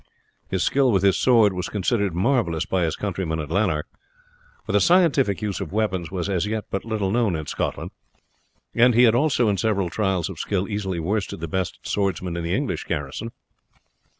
His skill with his sword was considered marvellous by his countrymen at Lanark, for the scientific use of weapons was as yet but little known in Scotland, and he had also in several trials of skill easily worsted the best swordsmen in the English garrison.